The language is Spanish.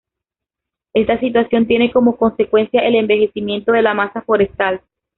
Esta situación tiene como consecuencia el envejecimiento de la masa forestal.